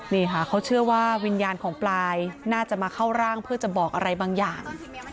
นี่ค่ะเขาเชื่อว่าวิญญาณของปลายน่าจะมาเข้าร่างเพื่อจะบอกอะไรบางอย่าง